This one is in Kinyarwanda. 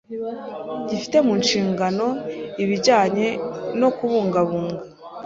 gifite mu nshingano ibijyanye no kubungabunga